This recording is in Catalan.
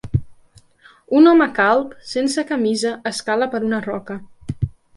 Un home calb, sense camisa, escala per una roca.